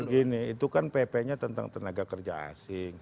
gini itu kan ppnya tentang tenaga kerja asing